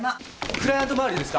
クライアント回りですか？